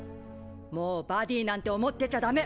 もうバディなんて思ってちゃダメ！